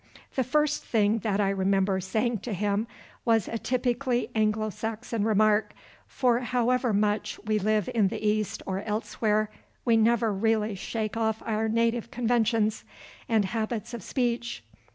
The first thing that I remember saying to him was a typically Anglo Saxon remark, for however much we live in the East or elsewhere, we never really shake off our native conventions, and habits of speech.